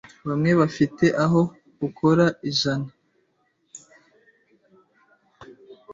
Bamwe bafite aho ukora ijana